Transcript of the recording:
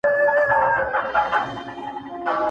بدمرغي په هغه ورځ ورحواله سي -